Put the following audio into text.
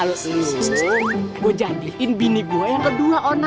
lo gue jadikan bini gue yang kedua ona